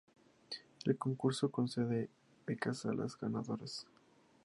El concurso concede becas a las ganadoras.